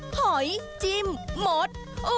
หอยจิ้มมด